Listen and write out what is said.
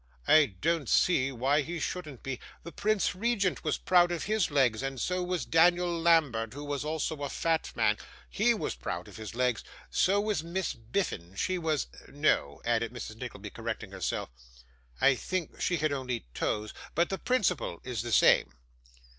I don't see why he shouldn't be. The Prince Regent was proud of his legs, and so was Daniel Lambert, who was also a fat man; HE was proud of his legs. So was Miss Biffin: she was no,' added Mrs. Nickleby, correcting, herself, 'I think she had only toes, but the principle is the same.